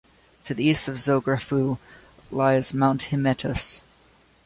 To the east of Zografou lies mount Hymettus.